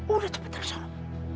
udah cepetan salom